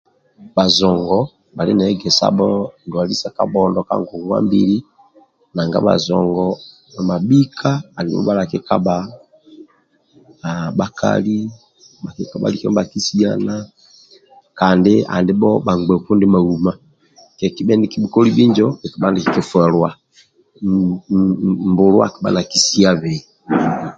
Bhajongo bhali na egesabho ndwali sa kabhondo ka ngongwambili nanga bajongo bhamabhika andibho ndibha bhakikabha bhakali bhakikabha lika nibha kisiana kandi andibho bhamgbeku ndibha uma kikibhe nikibhukoli bhinjo kikibha nikikifwelwa mbulu akibha nakisiabei